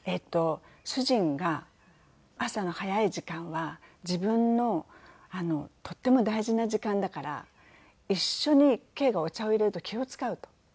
主人が朝の早い時間は自分のとっても大事な時間だから一緒に惠がお茶をいれると気を使うと。